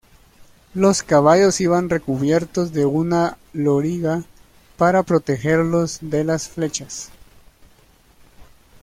Los caballos iban recubiertos de una loriga para protegerlos de las flechas.